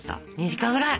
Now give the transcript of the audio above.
２時間ぐらい！